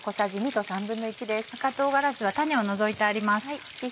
赤唐辛子は種を除いてあります。